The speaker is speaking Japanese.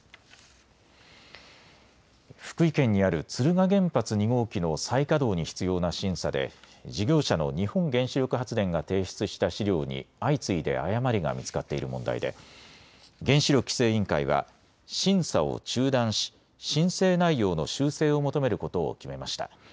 福井県にある敦賀原発２号機の再稼働に必要な審査で事業者の日本原子力発電が提出した資料に相次いで誤りが見つかっている問題で原子力規制委員会は審査を中断し申請内容の修正を求めることを決めました。